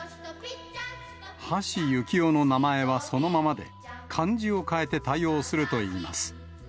橋幸夫の名前はそのままで、漢字を変えて対応するといいます。